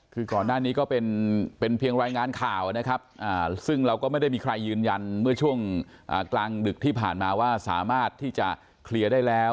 คือก่อนหน้านี้ก็เป็นเพียงรายงานข่าวนะครับซึ่งเราก็ไม่ได้มีใครยืนยันเมื่อช่วงกลางดึกที่ผ่านมาว่าสามารถที่จะเคลียร์ได้แล้ว